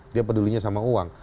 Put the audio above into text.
dia pedulinya sama uang